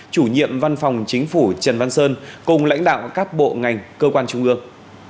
chủ nhiệm văn phòng chính phủ trần văn sơn cùng lãnh đạo các bộ ngành cơ quan trung ương